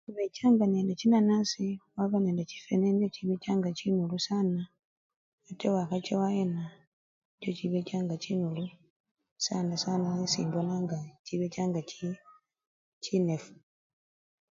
Khubechanga nende chinanasi khwaba nende chifwene nicho chibechanga chinulu sana ata wakhaba wayena nicho chibechanga chinulu sana sana esimbona nga chi! chinefu